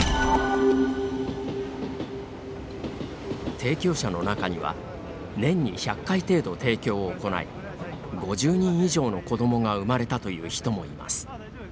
提供者の中には年に１００回程度提供を行い５０人以上の子どもが生まれたという人もいます。